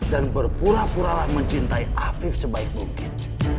dan berpura puralah mencintai apif sebaik mungkin